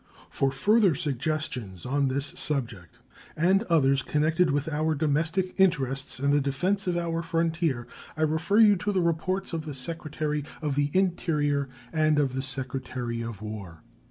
For further suggestions on this subject and others connected with our domestic interests and the defense of our frontier, I refer you to the reports of the Secretary of the Interior and of the Secretary of War.